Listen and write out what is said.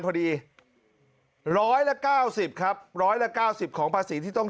พอดีร้อยละเก้าสิบครับร้อยละเก้าสิบของภาษีที่ต้อง